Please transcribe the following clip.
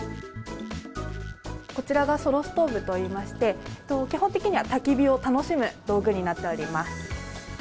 こちらがソロストーブといいまして、基本的にはたき火を楽しむ道具になっております。